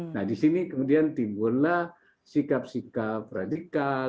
nah di sini kemudian timbullah sikap sikap radikal